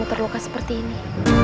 kamu terluka seperti ini